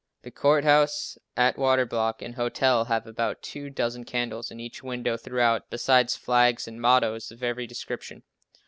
The Court House, Atwater Block, and hotel have about two dozen candles in each window throughout, besides flags and mottoes of every description.